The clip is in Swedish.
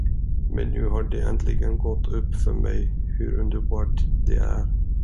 Men nu har det äntligen gått upp för mig hur underbart det är.